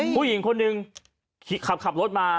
ผู้หญิงคนหนึ่งขับรถมา